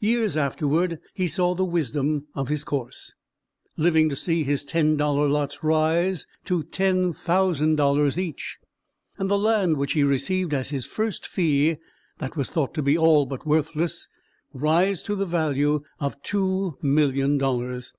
Years afterward he saw the wisdom of his course, living to see his ten dollar lots rise to ten thousand dollars each, and the land which he received as his first fee, that was thought to be all but worthless, rise to the value of two million dollars.